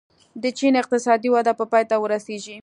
د چین اقتصادي وده به پای ته ورسېږي.